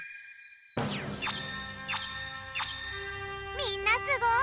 みんなすごい！